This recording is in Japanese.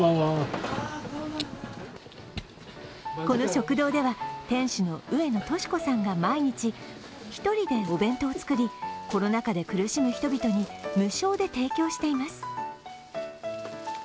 この食堂では、店主の上野敏子さんが毎日一人でお弁当を作り、コロナ禍で苦しむ人々に無償で提供しています。